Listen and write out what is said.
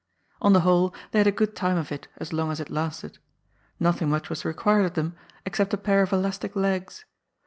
On the whole, they had a good time of it, as long as it lasted. Nothing much was required of them, except a pair of elastic legs.